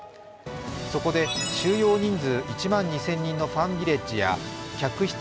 そこで収容人数１万２０００人のファンビレッジや客室